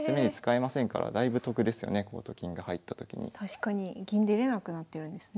確かに銀出れなくなってるんですね。